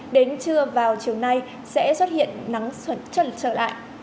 đến trưa vào chiều nay sẽ xuất hiện nắng trần trở lại